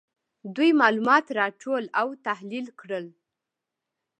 دوی معلومات راټول او تحلیل کړل.